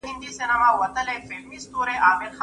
پنځلس منفي يو؛ څوارلس کېږي.